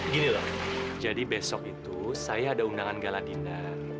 gini loh jadi besok itu saya ada undangan galadina